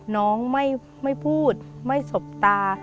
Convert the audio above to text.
น้องไม่พูดไม่สบตา